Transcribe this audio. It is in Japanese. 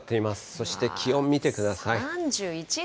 そして気温見てください。